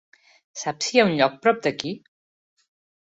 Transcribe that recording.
Saps si hi ha un lloc prop d'aquí?